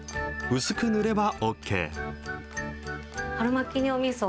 薄く塗ればＯＫ。